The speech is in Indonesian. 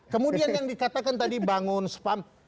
kemudian yang dikatakan tadi bangun spam